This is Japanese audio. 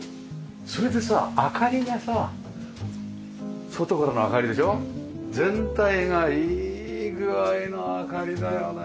それでさ明かりがさ外からの明かりでしょ全体がいい具合の明かりだよね。